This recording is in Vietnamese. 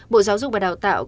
bộ giáo dục và đào tạo